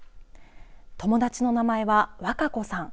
友達の名前は、わか子さん。